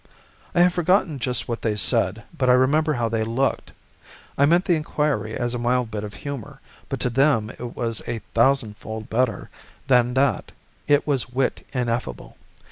I have forgotten just what they said, but I remember how they looked. I meant the inquiry as a mild bit of humor, but to them it was a thousandfold better than that: it was wit ineffable.